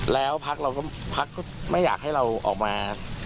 ซึ่งถึงพักษณ์ก็ไม่อยากให้เราออกมา